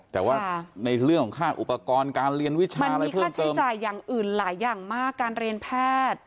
แต่ว่าในเรื่องของค่าอุปกรณ์การเรียนวิชามันมีค่าใช้จ่ายอย่างอื่นหลายอย่างมากการเรียนแพทย์